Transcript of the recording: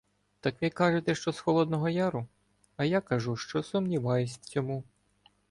— Так ви кажете, що з Холодного Яру? А я кажу, що сумніваюся в цьому.